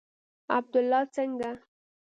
عبدالله څنگه.